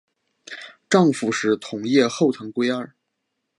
丈夫是同业后藤圭二。